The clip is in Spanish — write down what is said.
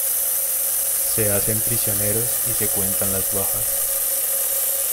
Se hacen prisioneros y se cuentan las bajas.